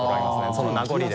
その名残で。